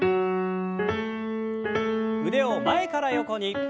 腕を前から横に。